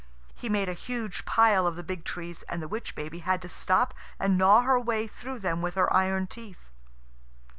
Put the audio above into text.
He made a huge pile of the big trees, and the witch baby had to stop and gnaw her way through them with her iron teeth.